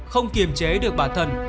không kiềm chế được bản thân